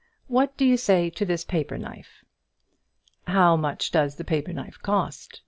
What do you say to this paper knife?" "How much does the paper knife cost?"